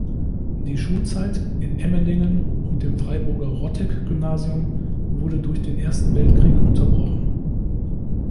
Die Schulzeit in Emmendingen und dem Freiburger Rotteck-Gymnasium wurde durch den Ersten Weltkrieg unterbrochen.